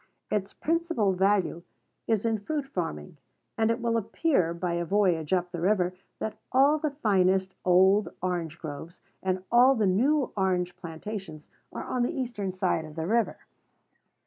Its principal value is in fruit farming; and it will appear, by a voyage up the river, that all the finest old orange groves and all the new orange plantations are on the eastern side of the river.